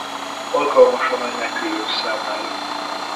Alkalmas a menekülők számára.